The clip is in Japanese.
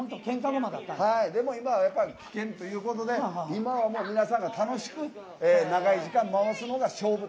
でも今は危険ということで今は、皆さんが楽しく長い時間回すのが勝負と。